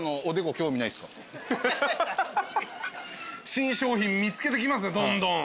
新商品見つけてきますねどんどん。